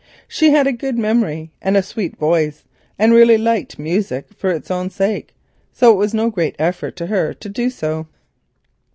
She had a good memory and a sweet voice, and really liked music for its own sake, so it was no great effort to her to do so.